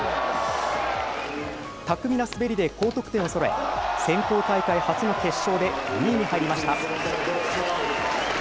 巧みな滑りで高得点を収め、選考大会初の決勝で２位に入りました。